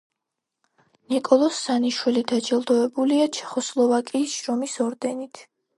ნიკოლოზ სანიშვილი დაჯილდოებულია ჩეხოსლოვაკიის შრომის ორდენით.